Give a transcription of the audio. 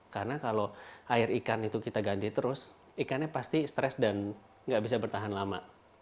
karena kalau air ikan itu kita ganti terus ikannya pasti stress dan nggak bisa bertahan lama